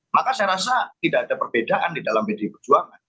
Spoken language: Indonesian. maka saya rasa tidak ada perbedaan di dalam pdi perjuangan